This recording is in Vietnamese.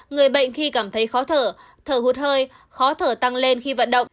người bệnh khi cảm thấy khó thở thở hụt hơi khó thở tăng lên khi vận động